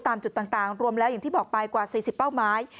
ตามจุดต่างรวมแล้วอย่างที่บอกไปกว่า๔๐เป้าหมาย